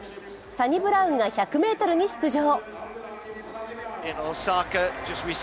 サニブラウンが１００ｍに出場。